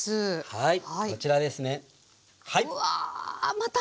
はい。